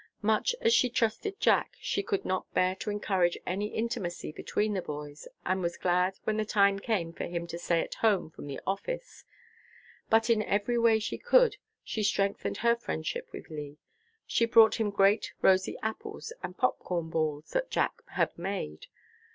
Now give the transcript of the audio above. Much as she trusted Jack, she could not bear to encourage any intimacy between the boys, and was glad when the time came for him to stay at home from the office. But in every way she could she strengthened her friendship with Lee. She brought him great, rosy apples, and pop corn balls that Jack had made.